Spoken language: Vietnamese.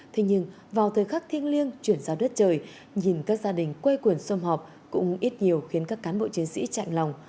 thế nhưng vào thời khắc thiên liêng chuyển sang đất trời nhìn các gia đình quay quyển xung họp cũng ít nhiều khiến các cán bộ chiến sĩ chạy lòng